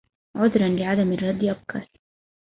عذرا لعدم الرد أبكر.